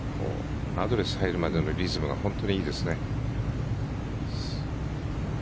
アドレスに入るまでのリズムが本当にいいですね。